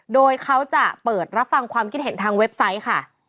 โดยเขาจะเปิดรับฟังความคิดเห็นทางเว็บไซต์ค่ะ